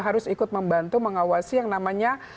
harus ikut membantu mengawasi yang namanya